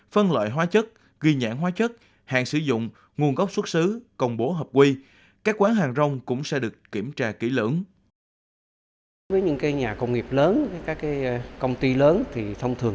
phân loại hóa chất ghi nhãn hóa chất hàng sử dụng nguồn gốc xuất xứ công bố hợp quy các quán hàng rong cũng sẽ được kiểm tra kỹ lưỡng